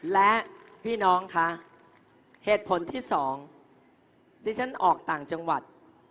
และพี่น้องคะเหตุผลที่สองที่ฉันออกต่างจังหวัด